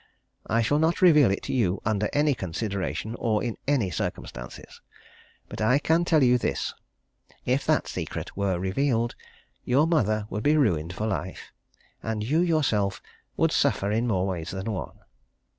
I shall not reveal it to you under any consideration, or in any circumstances but I can tell you this if that secret were revealed, your mother would be ruined for life and you yourself would suffer in more ways than one."